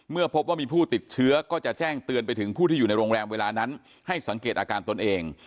เมื่อพบว่ามีผู้ติดเชื้อก็จะแจ้งเตือนไปถึงผู้ที่อยู่ในโรงแรมเวลานั้นให้สังเกตอาการตนเอง